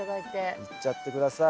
いっちゃって下さい。